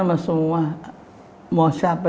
sama semua mau siapa